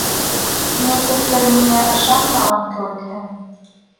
Нисектер миңә ышанмаған кеүекһең.